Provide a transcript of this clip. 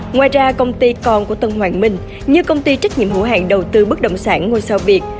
ngoài ra công ty còn của tân hoàng minh như công ty trách nhiệm hữu hạng đầu tư bất động sản ngôi sao việt